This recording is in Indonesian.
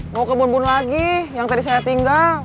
mau ke bun bun lagi yang tadi saya tinggal